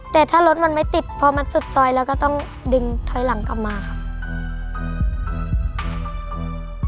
แต่ถ้ารถมันไม่ติดพอมันสุดซอยแล้วก็ต้องดึงถอยหลังกลับมาค่ะ